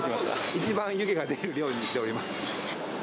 一番湯気が出るようにしております。